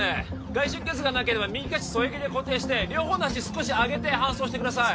外出血がなければ右下肢添え木で固定して両方の脚少し上げて搬送してください